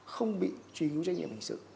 không bị truy tố và xét xử